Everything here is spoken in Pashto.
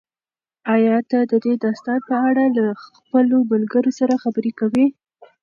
ایا ته د دې داستان په اړه له خپلو ملګرو سره خبرې کوې؟